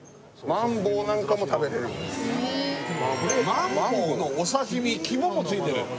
マンボウのお刺身、肝もついてる。